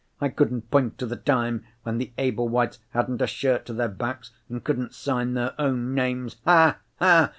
I couldn't point to the time when the Ablewhites hadn't a shirt to their backs, and couldn't sign their own names. Ha! ha!